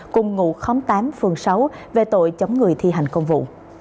cùng ngụ khóm tám phường sáu về tội chống người thi hành công vụ